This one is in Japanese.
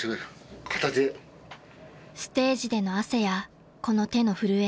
［ステージでの汗やこの手の震え］